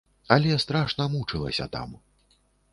Але страшна мучылася там.